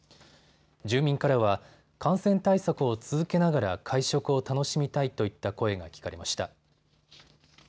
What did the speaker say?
住民からは感染対策を続けながら会食を楽しみたいといった声が聞かれました。